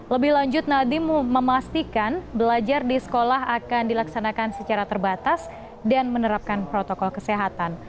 lebih lanjut nadiem memastikan belajar di sekolah akan dilaksanakan secara terbatas dan menerapkan protokol kesehatan